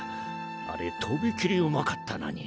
あれとびきりうまかったのに。